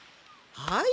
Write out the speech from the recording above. はい。